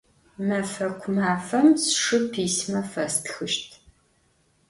Mefeku mafem sşşı pisme festxışt.